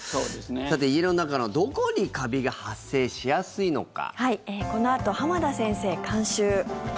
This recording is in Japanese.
さて、家の中のどこにカビが発生しやすいのか。